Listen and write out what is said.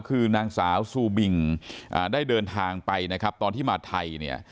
คือนางสาวซูบิงได้เดินทางไปนะครับตอนที่มาไทยเนี่ย